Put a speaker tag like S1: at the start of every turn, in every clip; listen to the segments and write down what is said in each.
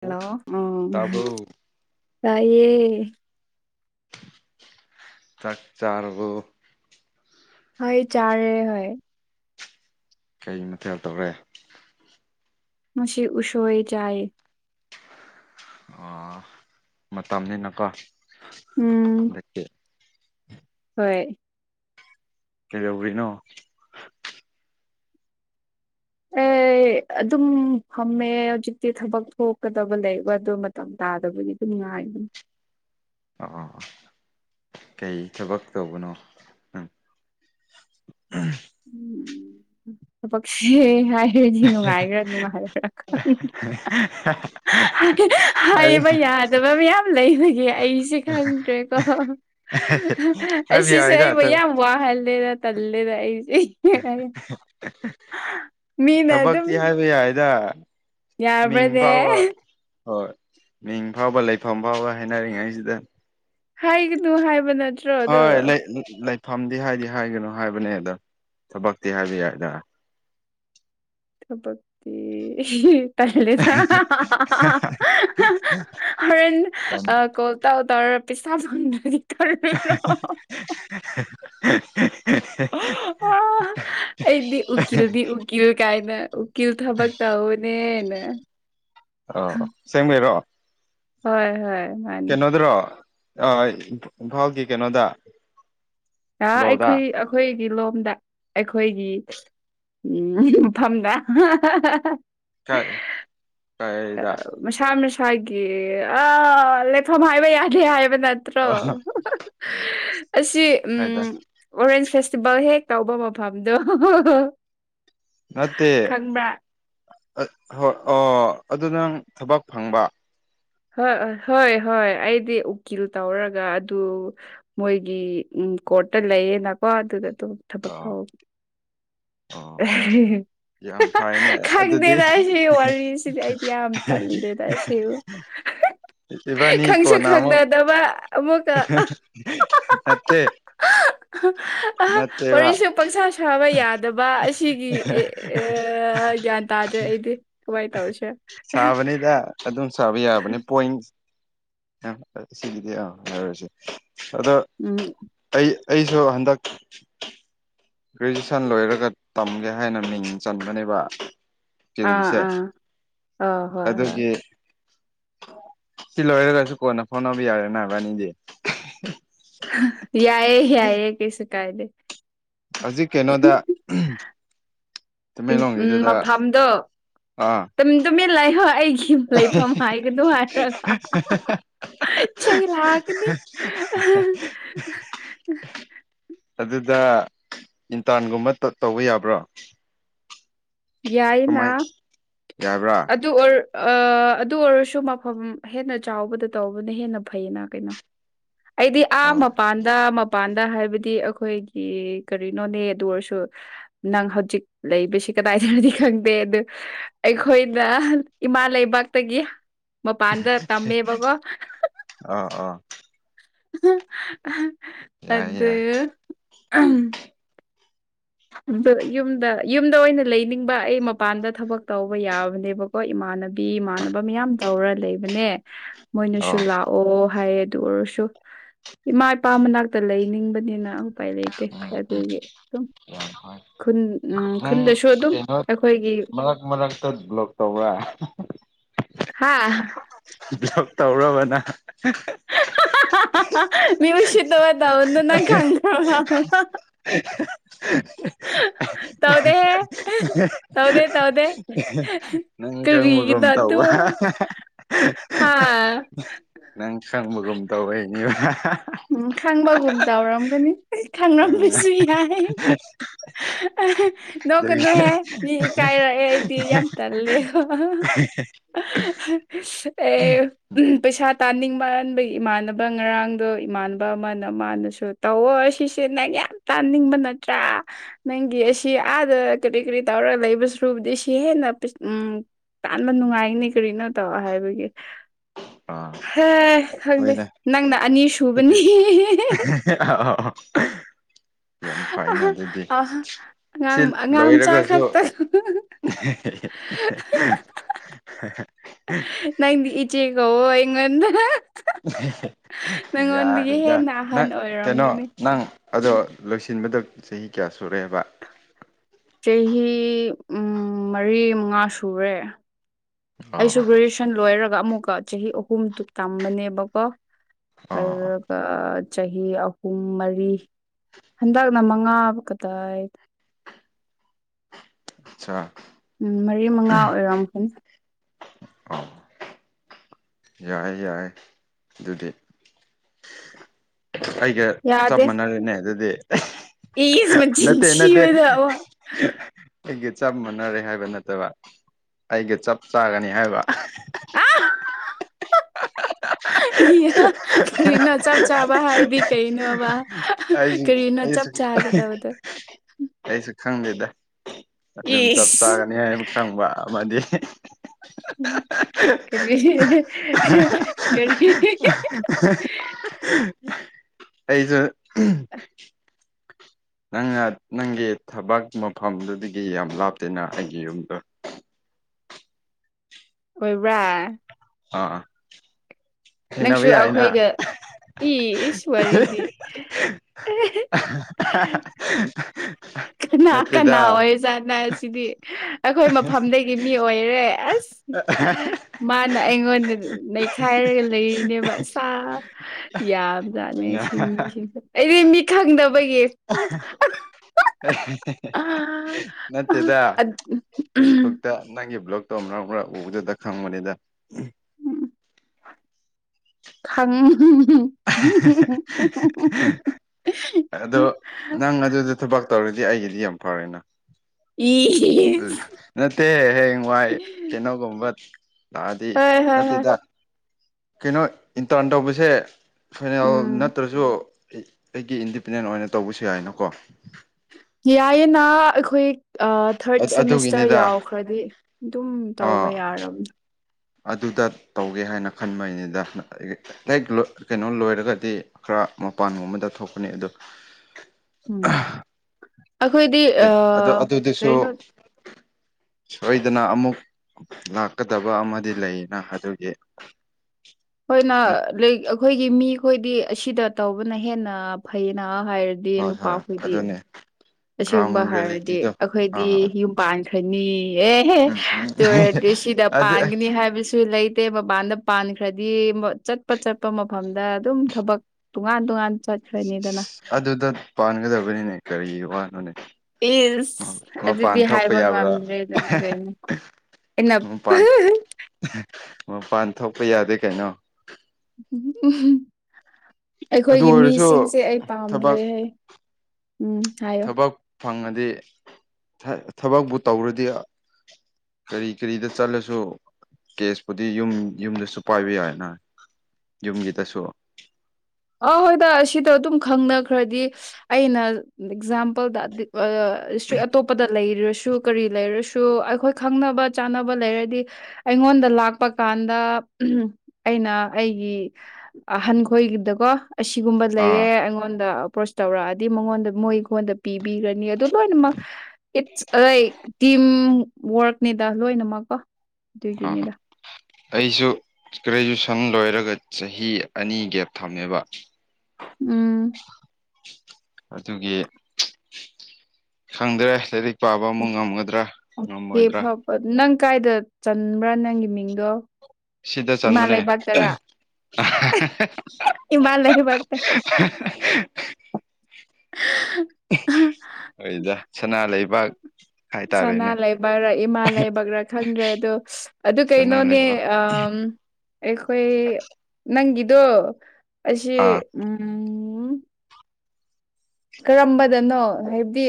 S1: Hello
S2: ꯑꯣ
S1: ꯑꯣ
S2: ꯇꯥꯕ꯭ꯔꯣ
S1: ꯇꯥꯏꯌꯦ
S2: ꯆꯥꯛ ꯆꯥꯔꯕꯣ
S1: ꯍꯣꯏ ꯆꯥꯔꯦ ꯍ
S2: ꯀꯩ ꯃꯊꯦꯜ ꯇꯧꯔꯦ
S1: ꯃꯁꯤꯁꯤ ꯎꯁꯣꯏ ꯆꯥꯏ
S2: ꯑ ꯃꯇꯝꯅꯤꯅꯀꯣ
S1: ꯎꯝ
S2: ꯍꯟꯗꯛꯇꯤ
S1: ꯍꯣꯏ
S2: ꯀꯩꯗꯧꯔꯤꯅꯣ
S1: ꯑ ꯑꯗꯨꯝ ꯐꯝꯃꯦ ꯍꯧꯖꯤꯛꯇꯤ ꯊꯕꯛ ꯊꯣꯛꯀꯗꯕ ꯂꯩꯕ ꯑꯗꯨꯣ ꯃꯇꯝ ꯇꯥꯗꯕꯒꯤ ꯑꯗꯨ ꯅꯨꯡꯉꯥꯏ
S2: ꯑ ꯀꯩ ꯊꯕꯛ ꯇꯧꯕꯅꯣ ꯎꯝ ꯎꯝ [unintelligible] [inaudible]
S1: ꯎꯝ ꯄꯦ ꯍꯥꯏ [inaudible] ꯍꯦꯗꯤ ꯅꯨꯡꯉꯥꯏꯈ꯭ꯔꯥ ꯅꯨꯡꯉꯥꯏꯈ꯭ꯔꯥꯣ ꯍꯥꯏ-ꯍꯥꯏꯕ ꯌꯥꯗꯕ ꯃꯌꯥꯝ ꯂꯩꯕꯒꯤ ꯑꯩꯁꯦ ꯈꯪꯗ꯭ꯔꯦꯀꯣ
S2: ꯍꯥꯏꯕ
S1: ꯑꯁꯤꯁꯦ
S2: ꯌꯥꯏꯗ
S1: ꯑꯩꯕꯨ ꯌꯥꯝ ꯋꯥꯍꯜꯂꯦꯗ ꯇꯜꯂꯦꯗ ꯑꯩꯁꯦ ꯃꯤꯅ ꯑꯗꯨꯝ
S2: ꯊꯕꯛꯇꯤ ꯍꯥꯏꯕ ꯌꯥꯏꯗ ꯃꯤꯡ
S1: ꯌꯥꯕ꯭ꯔꯅꯦ
S2: ꯐꯥꯎꯕ ꯍꯣꯏ ꯃꯤꯡ ꯐꯥꯎꯕ ꯂꯩꯐꯝ ꯐꯥꯎꯕ ꯍꯥꯏꯅꯔꯤꯉꯩꯁꯤꯗ
S1: ꯍꯥꯏꯒꯗꯨ ꯍꯥꯏꯕ ꯅ
S2: ꯍꯣꯏ ꯂꯩ-ꯂꯩꯐꯝꯗꯤ ꯍꯥꯏꯗꯤ ꯍꯥꯏꯒꯅꯨ ꯍꯥꯏꯕꯅꯦ ꯑꯗꯨ ꯊꯕꯛꯇꯤ ꯍꯥꯏꯕ ꯌꯥꯏꯗ
S1: ꯊꯕꯛꯇꯤ ꯇꯜꯂꯦꯗ ꯑꯍꯥꯍꯥ ꯍ ꯍꯣꯔꯦꯟ ꯑ ꯀꯣꯜ ꯇꯧ ꯇꯧꯔꯒ ꯄꯩꯁꯥ ꯐꯪꯗꯔꯗꯤ ꯀꯔꯤ
S2: [unintelligible] [inaudible]
S1: ꯍ ꯑꯥ ꯑꯩꯗꯤ ꯎꯀꯤꯜꯗꯤ ꯎꯀꯤꯜ ꯀꯥꯏꯅ ꯎꯀꯤꯜ ꯊꯕꯛ ꯇꯧꯕꯅꯦꯅ [unintelligible] [inaudible]
S2: ꯑ ꯁꯦꯡꯕꯩꯔꯣ
S1: ꯍꯣꯏ ꯍꯣꯏ ꯍꯣꯏ
S2: ꯀꯩꯅꯣꯗ꯭ꯔꯣ ꯑ ꯏꯝ-ꯏꯝꯐꯥꯜꯒꯤ ꯀꯩꯅꯣꯗ
S1: ꯑ ꯑꯩꯈꯣꯏ
S2: ꯂꯣꯗ
S1: ꯑꯩꯈꯣꯏꯒꯤ ꯂꯣꯝꯗ ꯑꯩꯈꯣꯏꯒꯤ ꯎꯝ ꯅꯣꯏ ꯌꯨꯝꯐꯝꯗ ꯑꯍꯥꯍ
S2: ꯀ ꯀꯩꯗ
S1: ꯃꯁꯥ ꯃꯁꯥꯒꯤ ꯑꯥ ꯂꯩꯐꯝ ꯍꯥꯏꯕ ꯌꯥꯗꯦ ꯍꯥꯏꯕ ꯅꯠꯇ꯭ꯔꯣ
S2: ꯑ
S1: ꯑꯁꯤ
S2: ꯍꯥꯏꯗ
S1: ꯎꯝ ꯑꯣꯔꯦꯟꯁ ꯐꯦꯁꯇꯤꯚꯦꯜ ꯍꯦꯛ ꯇꯧꯕ ꯃꯐꯝꯗꯨ ꯑꯍꯍ
S2: ꯅꯠꯇꯦ ꯑ ꯍꯣꯏ ꯑꯣ ꯑꯗꯨ ꯅꯪ ꯊꯕꯛ ꯐꯪꯕ
S1: ꯍꯣꯏ ꯍꯣꯏ ꯍꯣꯏ ꯑꯩꯗꯤ ꯎꯀꯤꯜ ꯇꯧꯔꯒ ꯑꯗꯨ ꯃꯣꯏꯒꯤ ꯎꯝ ꯀꯣꯔꯠꯇ ꯂꯩꯌꯦꯅꯀꯣ ꯑꯗꯨꯗ ꯑꯗꯨꯝ
S2: ꯑ
S1: ꯊꯕꯛꯇꯣ
S2: ꯑ
S1: ꯑꯍꯦꯍ
S2: ꯌꯥꯝ ꯐꯩꯅꯦ
S1: ꯍꯍꯥ
S2: ꯑꯗꯨꯗꯤ
S1: ꯈꯪꯗꯦꯗ ꯑꯩ ꯁꯤ ꯋꯥꯔꯤꯁꯤꯗꯤ ꯑꯩꯗꯤ ꯌꯥꯝ ꯇꯜꯂꯤꯗ ꯁꯤꯕꯨ
S2: ꯏꯕꯥꯅꯤ
S1: ꯈꯪꯁꯨ
S2: ꯀꯣꯟꯅ ꯑꯃꯨꯛ
S1: ꯈꯪꯅꯗꯕ ꯑꯃꯨꯛꯀ ꯑꯍ
S2: ꯅꯠꯇꯦ
S1: ꯑ ꯑꯍ
S2: ꯅꯠꯇꯦꯕ
S1: ꯋꯥꯔꯤꯁꯨ ꯄꯪꯁꯥ ꯁꯥꯕ ꯌꯥꯗ ꯑ ꯑꯁꯤꯒꯤ ꯑꯦ ꯑ ꯒ꯭ꯌꯥꯟ ꯇꯥꯗ꯭ꯔꯦ ꯑꯩꯗꯤ ꯀꯃꯥꯏꯅ ꯇꯧꯁꯤꯔ
S2: ꯁꯥꯕꯅꯤꯗ ꯑꯗꯨꯝ ꯁꯥꯕ ꯌꯥꯕꯅꯦ ꯄꯣꯏꯟ ꯑ ꯁꯤꯒꯤꯗꯤ ꯑ ꯌꯥꯁꯤ ꯑꯗꯣ
S1: ꯎꯝ [unintelligible] [inaudible]
S2: ꯐꯩ ꯑꯩꯁꯨ ꯍꯟꯗꯛ꯫ ꯒ꯭ꯔꯦꯖꯨꯑꯌꯦꯁꯟ ꯂꯣꯏꯔꯒ ꯇꯝꯒꯦ ꯍꯥꯏꯅ ꯃꯤꯡ ꯆꯟꯕꯅꯦꯕ
S1: ꯑꯥ
S2: ꯀꯤꯂꯣꯒꯤꯁꯦ
S1: ꯑꯥ ꯑ ꯍꯣꯏ ꯍꯣꯏ
S2: ꯑꯗꯨꯒꯤ ꯁꯤ ꯂꯣꯏꯔꯒꯁꯨ ꯀꯣꯟꯅ ꯍꯣꯠꯅꯕꯥ ꯌꯥꯔꯦꯅ ꯅꯕꯥꯅꯤꯗꯤ
S1: ꯌꯥꯏꯑꯌꯦ ꯌꯥꯏꯌꯦꯦ ꯀꯩꯁꯨ ꯀꯥꯏꯗꯦ
S2: ꯍꯧꯖꯤꯛ ꯀꯩꯅꯣꯗ
S1: ꯎꯝ
S2: ꯇꯃꯦꯡꯂꯣꯡꯒꯤꯗꯨꯗ
S1: ꯃꯐꯝꯗꯣ
S2: ꯑꯥ
S1: ꯇꯨꯝ ꯇꯨꯝꯃꯤꯟ ꯂꯩꯍꯣ ꯑꯩꯒꯤ꯫ ꯂꯩꯐꯝ ꯍꯥꯏꯒꯅꯣ ꯍꯥꯏꯔꯒ꯫ ꯆꯩ ꯂꯥꯛꯀꯅꯤ
S2: ꯑꯗꯨꯗ ꯏꯟꯇꯥꯔꯟꯒꯨꯝꯕ ꯇꯧꯕ ꯌꯥꯕ꯭ꯔꯣ꯫
S1: ꯌꯥꯏꯅ
S2: ꯀꯃꯥꯏ ꯌꯥꯕ꯭ꯔꯥ
S1: ꯑꯗꯨ ꯑꯣꯏꯔ ꯑ ꯑꯗꯨ ꯑꯣꯏꯔꯁꯨ ꯃꯐꯝ ꯍꯦꯟꯅ ꯆꯥꯎꯕꯗ ꯇꯧꯕꯅ ꯍꯦꯟꯅ ꯐꯩꯅ ꯀꯩꯅꯣ꯫ ꯑꯩꯗꯤ ꯑꯥ
S2: ꯍꯣꯏ
S1: ꯃꯄꯥꯟꯗ꯫ ꯃꯄꯥꯟꯗ ꯍꯥꯏꯕꯗꯤ ꯑꯩꯈꯣꯏꯒꯤ ꯀꯔꯤꯅꯣꯅꯦ ꯑꯗꯨ ꯑꯣꯏꯔꯁꯨ꯫ ꯅꯪ ꯍꯧꯖꯤꯛ ꯂꯩꯕꯦꯁꯤ꯫ ꯀꯗꯥꯏꯗꯅꯗꯤ ꯈꯪꯗꯦ ꯑꯗꯨ ꯑꯩꯈꯣꯏꯅ ꯏꯃꯥ ꯂꯩꯕꯥꯛꯇꯒꯤ꯫ ꯃ ꯄꯥꯟꯖ ꯇꯃꯤꯃꯦꯕꯒꯣ
S2: ꯑ ꯑꯣ꯫ ꯌꯥꯏ
S1: ꯑꯗꯨ꯫
S2: ꯌꯥꯏ
S1: ꯑ ꯌꯨꯝꯗ ꯌꯨꯝꯗ ꯑꯣꯏꯅ ꯂꯩꯅꯤꯡꯕ ꯑꯩ ꯃꯄꯥꯟꯗ ꯊꯕꯛ ꯇꯧꯕ ꯌꯥꯕꯅꯦꯕ ꯍꯣꯏ ꯏꯃꯥꯟꯅꯕꯤ ꯏꯃꯥꯟꯅꯕ ꯃꯌꯥꯝ ꯇꯧꯔ ꯂꯩꯕꯅꯦ ꯃꯣꯏꯅꯁꯨ
S2: ꯑꯣ
S1: ꯂꯥꯛꯑꯣ ꯑꯣ ꯍꯥꯏꯌꯦ ꯑꯗꯨ ꯑꯣꯏꯔꯁꯨ ꯏꯃꯥ ꯏꯄꯥ ꯃꯅꯥꯛꯇ ꯂꯩꯅꯤꯡꯕꯅꯤꯅ ꯄꯥꯏ ꯂꯩ ꯂꯩꯇ
S2: ꯎꯝ
S1: ꯑꯗꯨꯦ
S2: ꯅꯪ
S1: ꯑꯗꯨꯝ
S2: ꯀꯩꯅꯣ
S1: ꯑꯩꯈꯣꯏꯒꯤ
S2: ꯃꯔꯛ꯫ ꯃꯔꯛꯇ ꯕ꯭ꯂꯣꯛ ꯇꯧꯕ
S1: ꯍꯥꯥ
S2: ꯣꯛ ꯇꯧꯔꯕꯅ
S1: ꯃꯤ ꯎꯁꯤꯠꯇꯥꯕ ꯇꯧꯅꯨ ꯅꯪ ꯈꯪꯕꯔꯥ
S2: [unintelligible]
S1: [unintelligible] ꯇꯧꯗꯦꯍꯦ ꯇꯧꯗꯦ ꯇꯧꯗꯦ
S2: ꯅꯪ ꯈꯪꯕꯒꯨꯝ ꯇꯧꯕ꯫ [unintelligible]
S1: ꯍꯥꯥ
S2: ꯅꯪ ꯁꯪꯕꯒꯨꯝ ꯇꯧꯏꯅꯦꯕ
S1: ꯎꯝ ꯈꯪꯕꯒꯨꯝ ꯇꯧꯔꯝꯒꯅꯤ
S2: ꯑꯗꯨꯒꯤ
S1: ꯈꯪꯂꯝꯝꯕꯁꯨ ꯌꯥꯏ
S2: [unintelligible]
S1: ꯅꯣꯛ ꯀꯩꯅꯨꯍꯦ ꯃꯤ ꯏꯀꯥꯏꯔꯛꯑꯦ ꯑꯩꯗꯤ ꯌꯥꯝ ꯇꯜꯂꯦ [unintelligible] ꯄꯩꯁꯥ ꯇꯥꯅꯤꯡꯕ ꯍꯟꯕꯒꯤ ꯏꯃꯥꯟꯅꯕ ꯉꯔꯥꯡꯗꯣ ꯏꯃꯥꯟꯅꯕ ꯑꯃꯅ ꯃꯥꯅꯁꯨ ꯇꯧꯋ ꯁꯤꯁꯦ ꯅꯪ ꯌꯥꯝ ꯇꯥꯅꯤꯡꯕ ꯅꯠꯇ꯭ꯔꯥ ꯅꯪꯒꯤ ꯑꯁꯤ ꯑꯥꯗ ꯀꯔꯤ ꯀꯔꯤ ꯇꯧꯔꯒ ꯂꯩꯕ ꯁꯨꯕꯗꯤ ꯁꯤ ꯍꯦꯟꯅ ꯎꯝ꯫ ꯇꯥꯟꯕ ꯅꯨꯡꯉꯥꯏꯅꯤ ꯀꯔꯤꯅꯣ ꯇꯧ ꯍꯥꯏꯕꯒꯤ꯫
S2: ꯑꯥ
S1: ꯍꯦ ꯈꯪꯗꯦ
S2: ꯍꯣꯏꯅꯦ
S1: ꯅꯪꯅ ꯑꯅꯤ ꯁꯨꯕꯅꯤ [inaudible]
S2: ꯌꯥꯝ ꯐꯥꯏꯅ ꯑꯗꯨꯗꯤ
S1: ꯑ
S2: ꯁꯤ
S1: ꯑꯉꯥꯡ ꯑꯉꯥꯡ ꯃꯆꯥ
S2: ꯂꯣꯏꯔꯒꯁꯨ꯫
S1: ꯈꯛꯇ
S2: [unintelligible]
S1: ꯅꯪꯗꯤ ꯏꯆꯦ ꯀꯧꯕ ꯑꯩꯡꯉꯣꯟꯗ
S2: ꯌꯥꯔꯗ
S1: ꯍꯦꯟꯅ ꯑꯍꯟ
S2: ꯅꯪ ꯀꯩꯅꯣ
S1: ꯑꯣꯏꯔꯝꯒꯅꯤ
S2: ꯅꯪ ꯑꯗꯣ ꯂꯣꯏꯁꯤꯟꯕꯗ ꯆꯍꯤ ꯀꯌꯥ ꯁꯨꯔꯦ ꯍꯥꯏꯕ꯫
S1: ꯆꯍꯤ ꯎꯝ ꯃꯔꯤ ꯃꯉꯥ ꯁꯨꯔꯦ꯫ ꯑꯩꯁꯨ
S2: ꯑꯣ
S1: ꯒ꯭ꯔꯦꯖꯨꯑꯦꯁꯟ ꯂꯣꯏꯔꯒ ꯑꯃꯨꯛꯀ ꯆꯍꯤ ꯑꯍꯨꯝ ꯇ ꯇꯝꯕꯅꯦꯕꯀꯣ꯫
S2: ꯑꯥ ꯑꯥ
S1: ꯆꯍꯤ ꯑꯍꯨꯝ ꯃꯔꯤ ꯍꯟꯗꯛꯅ ꯃꯉꯥ ꯀꯗꯥꯏ
S2: ꯑꯆꯥ
S1: ꯎꯝ ꯃꯔꯤ ꯃꯉꯥ ꯑꯣꯏꯔꯝꯒꯅꯤ꯫
S2: ꯑꯥ ꯌꯥꯏ ꯌꯥꯏꯦ ꯑꯗꯨꯗꯤ ꯑꯩꯒ ꯆꯞ
S1: ꯌꯥꯗꯦ
S2: ꯃꯥꯟꯅꯔꯦꯅꯦ ꯑꯗꯨꯗꯤ꯫
S1: ꯏꯁ ꯃꯆꯤꯟ
S2: ꯅꯠꯇꯦ ꯅꯠꯇꯦ꯫
S1: ꯊꯤꯕꯗ ꯑꯃ
S2: ꯑꯩꯒ ꯆꯞ ꯃꯥꯟꯅꯅꯔꯦ ꯍꯥꯏꯕ ꯅꯠꯇꯕ ꯑꯩꯒ ꯆꯞ ꯆꯥꯔꯅꯤ ꯍꯥꯏꯕ꯫ [unintelligible]
S1: ꯏ ꯀꯔꯤꯅꯣ ꯆꯞ ꯆꯥꯕ ꯍꯥꯏꯗꯤ ꯀꯩꯅꯣꯕ
S2: ꯑꯩꯁꯨ
S1: ꯀꯔꯤꯅꯣ ꯆꯞ
S2: ꯑꯩꯁꯨ
S1: ꯆꯒꯗꯥꯎꯗ
S2: ꯑꯩꯁꯨ ꯈꯪꯗꯦꯗ ꯑꯗꯨꯝ ꯆꯞ
S1: ꯏꯁ
S2: ꯆꯥꯒꯅꯤ ꯍꯥꯏꯕ ꯈꯪꯕ ꯑꯃꯗꯤ
S1: ꯎꯝ ꯀꯔꯤ꯫ ꯀꯔꯤ
S2: ꯑꯩꯁꯨ꯫ ꯅꯪꯅ ꯅꯪꯒꯤ ꯊꯕꯛ ꯃꯐꯝꯗꯨꯗꯒꯤ ꯌꯥꯝ ꯂꯥꯞꯇꯦꯅ ꯑꯩꯒꯤ ꯌꯨꯝꯗꯣ꯫
S1: ꯑꯣꯏꯕ꯭ꯔꯥ
S2: ꯑꯥ ꯑ
S1: ꯅꯪꯁꯨ ꯑꯩꯈꯣꯏꯗ ꯏꯁꯨ ꯋꯥꯔꯤꯔꯤꯗꯤ
S2: ꯑꯍꯑꯍꯥ [inaudible]
S1: ꯀꯅꯥ ꯀꯅꯥ ꯑꯣꯏ ꯖꯥꯠꯅ ꯁꯤꯗꯤ ꯑꯩꯈꯣꯏ ꯃꯐꯝꯗꯒꯤ ꯃꯤ ꯑꯣꯏꯔꯦ ꯑꯁ
S2: ꯑ꯫
S1: ꯃꯥꯅ ꯑꯩꯉꯣꯟꯗꯒ ꯅꯩꯈꯥꯏꯔꯒ ꯂꯩꯔꯤꯅꯦꯕ ꯁꯥ꯫ ꯌꯥꯕꯖꯥꯠꯅꯦ
S2: ꯍꯣꯏꯅꯦ
S1: ꯁꯤ ꯃꯤꯁꯤꯡꯁꯦ ꯑꯩꯗꯤ ꯃꯤ ꯈꯪꯗꯕꯒꯤ꯫ ꯑꯥ
S2: ꯅꯠꯇꯦꯗ
S1: ꯑꯠ
S2: ꯐꯦꯁꯕꯨꯛ ꯅꯪꯒꯤ ꯕ꯭ꯂꯣꯛ ꯇꯧꯅꯕ꯭ꯔꯥ ꯎꯕꯗꯨꯗ ꯈꯪꯕꯅꯤꯗ
S1: ꯈꯪ꯫
S2: ꯑꯗꯣ ꯅꯪ ꯑꯗꯨꯗ ꯊꯕꯛ ꯇꯧꯔꯗꯤ ꯑꯩꯒꯤꯗꯤ ꯌꯥꯝ ꯐꯔꯦꯅ
S1: [inaudible]
S2: ꯅꯠꯇꯦ ꯍꯌꯦꯡ ꯋꯥꯏ ꯀꯩꯅꯣꯒꯨꯝꯕ ꯂꯥꯛꯑꯗꯤ
S1: ꯍꯣꯏ ꯍꯣꯏ ꯍꯣꯏ
S2: ꯅꯠꯇꯦꯗ ꯀꯩꯅꯣ ꯏꯟꯇꯥꯔꯟ ꯇꯧꯕꯁꯦ ꯐꯥꯏꯅꯦꯜ
S1: ꯎꯝ
S2: ꯅꯠꯇ꯭ꯔꯁꯨ ꯑꯩ ꯑꯩꯒꯤ ꯏꯟꯗꯤꯄꯦꯟꯗꯦꯟ ꯑꯣꯏꯅ ꯇꯧꯕꯁꯨ ꯌꯥꯏꯅꯀꯣ
S1: ꯌꯥꯏꯌꯦꯅ ꯑꯩꯈꯣꯏ ꯊꯔꯠ ꯁꯦꯃꯤꯁꯇꯔ
S2: ꯑꯗꯨꯒꯤꯅꯤꯗ
S1: ꯌꯥꯎ ꯈꯔꯗꯤ ꯑꯗꯨꯝ ꯇꯧꯕ
S2: ꯑꯥ
S1: ꯌꯥꯔꯕꯅꯦ꯫
S2: ꯑꯗꯨꯗ ꯇꯧꯒꯦ ꯍꯥꯏꯅ ꯈꯟꯕꯩꯅꯤꯗ꯫ ꯂꯥꯏꯔꯤꯛ ꯀꯩꯅꯣ ꯂꯣꯏꯔꯒꯗꯤ ꯈꯔ ꯃꯄꯥꯟꯒꯕꯗ ꯊꯣꯛꯄꯅꯦ ꯑꯗꯨꯣ
S1: ꯎꯝ ꯑꯩꯈꯣꯏꯗꯤ ꯑ
S2: ꯑꯗꯣ ꯑꯗꯨꯗꯁꯨ
S1: ꯀꯔꯤꯅꯣ
S2: ꯁꯣꯏꯗꯅ ꯑꯃꯨꯛ ꯂꯥꯛꯀꯗꯕ ꯑꯃꯗꯤ ꯂꯩꯅ ꯑꯗꯨꯒꯤ
S1: ꯍꯈꯣꯏꯅꯛ
S2: ꯅꯠ
S1: ꯑꯩꯈꯣꯏꯒꯤ ꯃꯤꯈꯣꯏꯗꯤ ꯑꯁꯤꯗ ꯇꯧꯕꯅ ꯍꯦꯟꯅ ꯐꯩꯌꯦꯅ ꯍꯥꯏꯔꯒꯦ ꯗꯤ
S2: ꯍꯣꯏ ꯍꯣꯏ
S1: ꯅꯨꯄꯥꯈꯣꯏꯗꯤ
S2: ꯑꯗꯨꯅꯦ
S1: ꯑꯁꯦꯡꯕ
S2: ꯒ꯭ꯔꯥꯎꯟ
S1: ꯍꯥꯏꯔꯗꯤ
S2: ꯔꯤꯌꯦꯂꯤꯇꯤꯗꯣ
S1: ꯑꯩꯈꯣꯏꯗꯤ
S2: ꯑꯥ
S1: ꯌꯨꯝ ꯄꯥꯟꯈ꯭ꯔꯅꯤ ꯑꯦꯍꯦ
S2: ꯎꯝ ꯎꯝ
S1: ꯑꯗꯨꯑꯣꯏꯔꯗꯤ ꯁꯤꯗ
S2: ꯑꯗꯨ
S1: ꯄꯥꯟꯒꯅꯤ ꯍꯥꯏ꯫ ꯍꯥꯏꯕꯁꯨ ꯂꯩꯇꯦ ꯃꯄꯥꯟꯗ ꯄꯥꯟꯈ꯭ꯔꯗꯤ ꯆꯠꯄ ꯆꯠꯄ ꯃꯐꯝꯗ ꯑꯗꯨꯝ ꯊꯕꯛ ꯇꯨꯡ ꯑ ꯑꯗꯨ ꯆ
S2: ꯑꯗꯨꯗ ꯄꯥꯟꯒꯗꯕꯅꯤꯅꯦ ꯀꯔꯤ ꯋꯥꯅꯣꯅꯦ
S1: ꯑꯦꯁ ꯑꯗꯨꯗꯤ
S2: ꯃꯄꯥꯟ ꯊꯣꯛꯄ
S1: ꯍꯥꯏꯕ
S2: ꯌꯥꯕ꯭ꯔꯥ
S1: ꯉꯝꯗ꯭ꯔꯦꯗꯅ ꯀꯩꯅꯤ ꯏꯟꯅ
S2: ꯃꯄꯥꯟ ꯃꯄꯥꯟ ꯊꯣꯛꯄ ꯌꯥꯗꯦ ꯀꯩꯅꯣ
S1: ꯎ
S2: ꯑꯗꯨ
S1: ꯑꯩꯈꯣꯏꯒꯤ
S2: ꯑꯣꯏꯔꯁꯨ
S1: ꯃꯤꯁꯤꯡꯁꯦ ꯑꯩ
S2: ꯊꯕꯛ
S1: ꯄꯥꯝꯗ꯭ꯔꯦꯍ
S2: ꯊꯕꯛ ꯐꯪꯉꯗꯤ ꯊ ꯊꯕꯛꯄꯨ ꯇꯧꯔꯗꯤ꯫ ꯀꯔꯤ ꯀꯔꯤꯗ ꯆꯠꯂꯁꯨ꯫ ꯀꯦꯁꯄꯨꯗꯤ ꯌꯨꯝ ꯌꯨꯝꯗꯁꯨ ꯄꯥꯏꯕ ꯌꯥꯏꯅ ꯌꯨꯝꯒꯤꯗꯁꯨ꯫
S1: ꯑ ꯍꯣꯏꯗ ꯁꯤꯗꯣ ꯑꯗꯨꯝ ꯈꯪꯅꯈ꯭ꯔꯗꯤ ꯑꯩꯅ ꯑꯦꯛꯖꯥꯝꯄꯜꯗ ꯗꯤꯁꯇ꯭ꯔꯤꯛ ꯑꯇꯣꯞꯄꯗ ꯂꯩꯔꯁꯨ ꯀꯔꯤ ꯂꯩꯔꯁꯨ ꯑꯩꯈꯣꯏ ꯈꯪꯅꯕ ꯆꯥꯟꯅꯕ ꯂꯩꯔꯗꯤ ꯑꯩꯉꯣꯟꯗ ꯂꯥꯛꯄ ꯀꯥꯟꯗ ꯑꯩꯅ ꯑꯩꯒꯤ ꯑꯍꯟꯒ ꯍꯣꯏꯒꯗꯒ ꯀꯣ ꯑꯁꯤꯒꯨꯝꯕ ꯂꯩꯌꯦ
S2: ꯑꯥ
S1: ꯑꯩꯉꯣꯟꯗ ꯑꯦꯄ꯭ꯔꯣꯁ ꯇꯧꯔꯛꯑꯗꯤ ꯃꯉꯣꯟꯗ ꯃꯣꯏ ꯑꯩꯉꯣꯟꯗ ꯄꯤꯕꯤꯈ꯭ꯔꯅꯤ ꯑꯗꯨꯝ ꯂꯣꯏꯅꯃꯛ ꯏꯠꯁ ꯑꯗꯩ ꯇꯤꯝ ꯋꯥꯔꯛꯅꯤꯗ ꯂꯣꯏꯅꯃꯛꯀꯣ
S2: ꯑꯥ
S1: ꯑꯗꯨꯒꯤꯅꯦꯗ
S2: ꯑꯩꯁꯨ ꯒ꯭ꯔꯦꯖꯨꯑꯦꯁꯟ ꯂꯣꯏꯔꯒ ꯆꯍꯤ ꯑꯅꯤ ꯒꯦꯞ ꯊꯝꯃꯦꯕ
S1: ꯎꯝ
S2: ꯑꯗꯨꯒꯤ ꯈꯪꯗ꯭ꯔꯦ ꯂꯥꯏꯔꯤꯛ ꯄꯥꯕ ꯑꯃꯨꯛ ꯉꯝꯒꯗ꯭ꯔꯥ ꯉꯝꯃꯣꯏꯗ꯭ꯔꯥ
S1: ꯑꯣ ꯅꯪ ꯀꯥꯏꯗ ꯆꯟꯕ꯭ꯔꯥ ꯅꯪꯒꯤ ꯃꯤꯡꯗꯣ
S2: ꯁꯤꯗ
S1: ꯏꯃꯥ
S2: ꯆꯟꯕꯅꯦ
S1: ꯂꯩꯕꯥꯛꯇꯔꯥ ꯏꯃꯥ ꯂꯩꯕꯥꯛꯇ [inaudible]
S2: ꯍꯣꯏꯗ ꯁꯅꯥ ꯂꯩꯕꯥꯛ꯫
S1: ꯁꯅꯥ
S2: ꯍꯥꯏꯇꯥꯔꯦꯅꯦ
S1: ꯂꯩꯕꯔꯥ ꯏꯃꯥ ꯂꯩꯕꯒꯔꯥ ꯈꯪꯗ꯭ꯔꯦ ꯑꯗꯣ ꯑꯗꯨ
S2: ꯁꯅꯥ
S1: ꯀꯩꯅꯣꯅꯦ
S2: ꯂꯩꯕꯥꯛ
S1: ꯑ ꯑꯩꯈꯣꯏ ꯅꯪꯒꯤꯗꯣ ꯑꯁꯤ
S2: ꯑꯥ
S1: ꯀꯔꯝꯕꯗꯅꯣ ꯍꯥꯏꯕꯗꯤ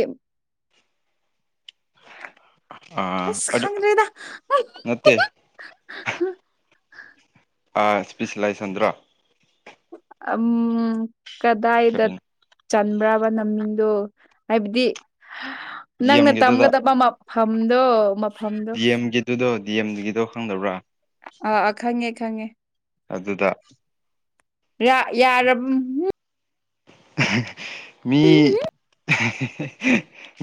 S2: ꯑꯥ
S1: ꯑꯁ
S2: ꯑꯗꯨ
S1: ꯈꯪꯗ꯭ꯔꯦꯗ
S2: ꯅꯠꯇꯦ ꯏꯁꯄꯤꯁꯂꯥꯏꯁꯟꯗ꯭ꯔꯣ
S1: ꯎꯝ ꯀꯗꯥ ꯏꯗ
S2: ꯀꯔꯤꯅꯣ
S1: ꯆꯟꯕ꯭ꯔꯕ ꯅꯃꯤꯡꯗꯣ ꯍꯥꯏꯕꯗꯤ
S2: ꯗꯤ
S1: ꯅꯪꯅ
S2: ꯑꯦꯝꯒꯤꯗꯨꯗ
S1: ꯇꯝꯒꯗꯕ ꯐꯝꯗꯣ
S2: ꯗꯤ ꯑꯦꯝꯒꯤꯗꯨꯗꯣ ꯗꯤ ꯑꯦꯝꯒꯤꯗꯣ ꯈꯪꯗꯕ꯭ꯔꯥ
S1: ꯑꯥ ꯈꯪꯉꯦ ꯈꯪꯉꯦ꯫
S2: ꯑꯗꯨꯗ꯫
S1: ꯌꯥ ꯌꯥꯔꯕ꯫
S2: ꯑꯍꯤ [inaudible] ꯃꯤ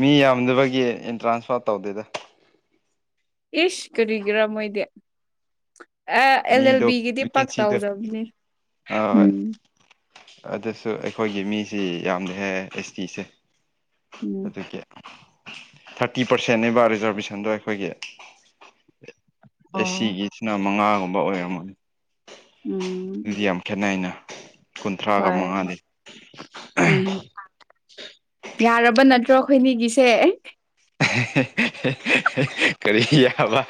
S2: ꯃꯤ ꯌꯥꯝꯗꯕꯒꯤ ꯑꯦꯟꯇ꯭ꯔꯥꯟꯁꯐꯥꯔ ꯇꯧꯗꯦꯗ
S1: ꯏꯁ ꯀꯔꯤꯒꯤꯔꯥ ꯃꯣꯏꯗꯤ꯫ ꯑꯦ ꯑꯦꯜ ꯑꯦꯜ
S2: ꯃꯤꯗꯣ
S1: ꯕꯤꯒꯤꯗꯤ ꯄꯛ
S2: ꯚꯦꯀꯦꯟꯁꯤꯗꯣ
S1: ꯇꯎꯗꯕꯅꯦ
S2: ꯑꯥ
S1: ꯎꯝ
S2: ꯑꯗꯨꯁꯨ ꯑꯩꯈꯣꯏꯒꯤ ꯃꯤꯁꯤ ꯌꯥꯝꯅ ꯍꯦꯛꯦ ꯑꯩꯁ ꯇꯤꯁꯦ
S1: ꯎꯝ
S2: ꯑꯗꯨꯒꯤ꯫ ꯊꯥꯔꯇꯤ ꯄꯥꯔꯁꯦꯟꯅꯕ ꯔꯤꯖꯥꯔꯕꯦꯁꯟꯗꯣ ꯑꯩꯈꯣꯏꯒꯤ ꯑꯦ
S1: ꯑꯣ
S2: ꯁꯤꯒꯤ ꯁꯤꯅ ꯃꯉꯥꯒꯨꯝꯕ ꯑꯣꯏꯔꯝꯃꯅꯤ
S1: ꯎꯝ
S2: ꯑꯗꯨꯗꯤ ꯌꯥꯝ ꯈꯦꯠꯅꯩꯅ꯫ ꯀꯨꯟꯊ꯭ꯔꯥꯒ
S1: ꯍꯣꯏ
S2: ꯃꯉꯥꯗꯤ
S1: ꯎꯝ ꯌꯥꯔꯕ ꯅꯠꯇ꯭ꯔꯣ ꯑꯩꯈꯣꯏꯅꯤꯒꯤꯁꯦ
S2: ꯀꯔꯤ ꯌꯥꯕ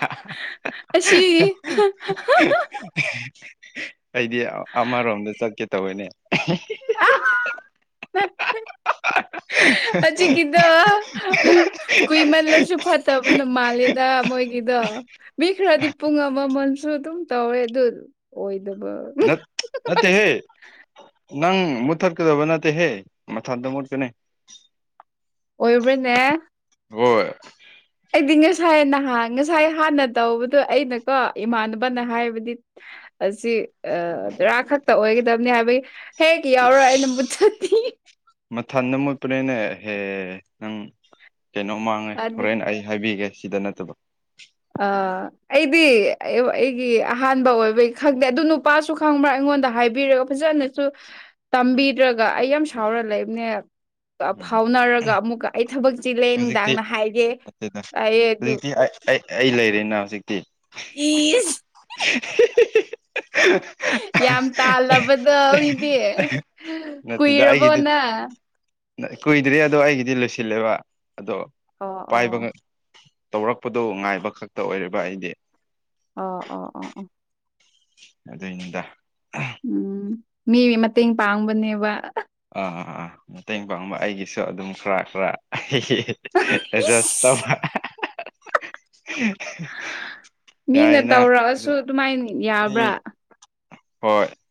S1: ꯑꯁꯤ
S2: [inaudible] ꯑꯩꯗꯤ ꯑꯃꯔꯣꯝꯗ ꯆꯠꯀꯦ ꯇꯧꯋꯦꯅꯦ꯫
S1: ꯍꯧꯖꯤ ꯀꯤꯗꯣ ꯀꯏꯃꯜꯂꯣꯁꯨ ꯐꯠꯇ ꯁꯕꯅ ꯃꯥꯂꯦꯗ ꯃꯣꯏꯒꯗꯣ ꯃꯤ ꯈꯔꯗꯤ ꯄꯨꯡ ꯑꯃꯃꯜꯁꯨ ꯑꯗꯨꯝ ꯇꯧꯋꯦ ꯑꯗꯨ ꯑꯣꯏꯗꯕ
S2: ꯅꯠ ꯅꯠꯇꯦꯍꯦ꯫ ꯅꯪ ꯃꯨꯠꯊꯠꯀꯗꯕ ꯅꯠꯇꯦꯍꯦ ꯃꯊꯟꯇ ꯃꯨꯠꯀꯅꯤ
S1: ꯑꯣꯏꯕ꯭ꯔꯥꯅꯦ
S2: ꯑꯣ
S1: ꯑꯩꯗꯤ ꯉꯁꯥꯏ ꯅꯍꯥꯟ ꯉꯁꯥꯏ ꯍꯥꯟꯅ ꯇꯧꯕꯗꯣ ꯑꯩꯅꯀꯣ ꯏꯃꯥꯟꯅꯕꯅ ꯍꯥꯏꯕꯗꯤ ꯑꯁꯤ ꯑ ꯔꯥ ꯈꯛꯇ ꯑꯣꯏꯒꯗꯕꯅꯤ ꯍꯥꯏꯕꯒꯤ꯫ ꯍꯦꯛ ꯌꯥꯎꯔꯑꯥ ꯑꯩꯅꯥ ꯃꯨꯠꯊꯠꯅꯤ
S2: ꯃꯊꯟ ꯑꯃ ꯃꯣꯠꯄꯅꯦꯦꯅꯦꯍꯦ ꯅꯪ ꯀꯩꯅꯣꯃꯥꯡ ꯉꯥꯏ
S1: ꯑꯗꯨ
S2: ꯍꯣꯔꯦꯟ ꯑꯩ ꯍꯥꯏꯕꯤꯒꯦ ꯁꯤꯗ ꯅꯠꯇꯕꯣ
S1: ꯑꯥ ꯑꯩꯗꯤ ꯑꯩꯒꯤ ꯑꯍꯥꯟꯕ ꯑꯣꯏꯕꯒꯤ ꯈꯪꯗꯦ ꯑꯗꯨ ꯅꯨꯄꯥꯁꯨ ꯈꯪꯕ꯭ꯔꯥ ꯑꯩꯉꯣꯟꯗ ꯍꯥꯏꯕꯤꯔꯒ ꯐꯖꯅꯁꯨ ꯇꯝꯕꯤꯗ꯭ꯔꯒ ꯑꯩ ꯌꯥꯝ ꯁꯥꯎꯔ ꯂꯩꯕꯅꯦ
S2: ꯎꯝ
S1: ꯐꯥꯎꯅꯔꯒ ꯑꯃꯨꯛꯀ꯫ ꯑꯩ ꯊꯕꯛ ꯆꯤꯂꯦ
S2: ꯍꯧꯖꯤꯛꯇꯤ
S1: ꯅꯨꯡꯗꯥꯡꯅ ꯍꯥꯏꯒꯦ
S2: ꯅꯠꯇꯦꯗ
S1: ꯑꯩ ꯑꯗꯨ
S2: ꯍꯧꯖꯤꯛꯇꯤ ꯑꯩ ꯑꯩ ꯑꯩ ꯂꯩꯔꯦꯅ ꯍꯧꯖꯤꯛꯇꯤ
S1: ꯏꯗ [unintelligible] [inaudible]
S2: [unintelligible] [inaudible]
S1: ꯌꯥꯝ ꯇꯥꯜꯂꯕꯗꯣ ꯃꯤꯗꯤ ꯀꯨꯏꯔꯕꯣꯅ
S2: ꯀꯨꯏꯗ꯭ꯔꯦ ꯑꯗꯣ ꯑꯩꯒꯤꯗꯤ ꯂꯣꯏꯁꯤꯜꯂꯦꯕ ꯑꯗꯣ
S1: ꯑꯣ
S2: ꯄꯥꯏꯕ
S1: ꯑꯣ
S2: ꯇꯧꯔꯛꯄꯗꯣ ꯉꯥꯏꯕ ꯈꯛꯇ ꯑꯣꯏꯔꯤꯕ ꯑꯩꯗꯤ
S1: ꯑꯣ ꯑꯣ ꯑꯣ ꯑꯣ
S2: ꯑꯗꯨꯏꯅꯤꯗ
S1: ꯎꯝ ꯃꯤ ꯃꯇꯦꯡ ꯄꯥꯡꯕꯅꯦꯕ
S2: ꯑꯥ ꯑꯥ ꯑꯥ ꯃꯇꯦꯡ ꯄꯥꯡꯕ ꯑꯩꯒꯤꯁꯨ ꯑꯗꯨꯝ ꯈꯔ ꯈꯔ ꯖ ꯑꯁ ꯇ [unintelligible] [inaudible]
S1: ꯃꯤꯅ ꯇꯧꯔꯛꯑꯁꯨ ꯑꯗꯨꯃꯥꯏꯅ
S2: ꯃꯤ
S1: ꯌꯥꯕ꯭ꯔꯥ
S2: ꯍꯣꯏ [inaudible]